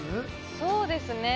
そうですね。